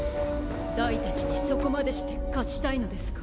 ダイたちにそこまでして勝ちたいのですか？